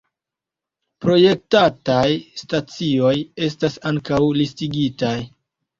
Projektataj stacioj estas ankaŭ listigitaj.